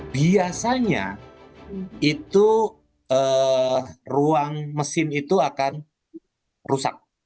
biasanya itu ruang mesin itu akan rusak